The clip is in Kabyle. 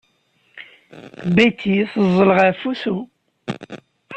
Betty teẓẓel ɣef wusu.